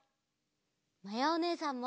まやおねえさんも！